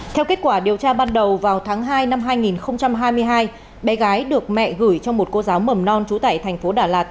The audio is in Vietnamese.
theo kết quả điều tra ban đầu vào tháng hai năm hai nghìn hai mươi hai bé gái được mẹ gửi cho một cô giáo mầm non trú tại thành phố đà lạt